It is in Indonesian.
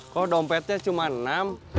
kok dompetnya cuma enam